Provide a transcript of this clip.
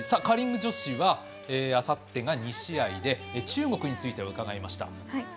カーリング女子はあさってが２試合で中国については伺いました。